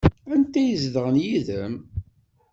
Anti ay izedɣen yid-m?